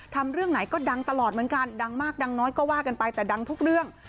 เรื่องไหนก็ดังตลอดเหมือนกันดังมากดังน้อยก็ว่ากันไปแต่ดังทุกเรื่อง